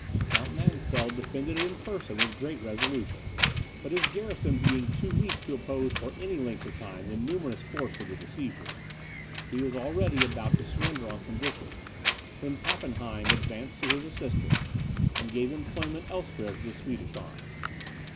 Count Mansfeld defended it in person with great resolution; but his garrison being too weak to oppose for any length of time the numerous force of the besiegers, he was already about to surrender on conditions, when Pappenheim advanced to his assistance, and gave employment elsewhere to the Swedish arms.